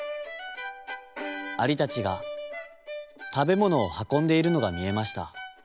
アリたちがたべものをはこんでいるのがみえました。